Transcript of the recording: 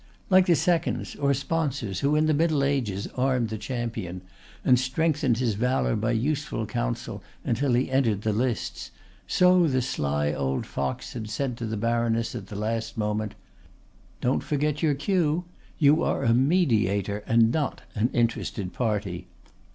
Like the seconds or sponsors who in the Middle Age armed the champion, and strengthened his valor by useful counsel until he entered the lists, so the sly old fox had said to the baroness at the last moment: "Don't forget your cue. You are a mediator, and not an interested party.